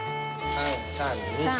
３３２。